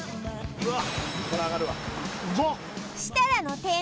うわっ！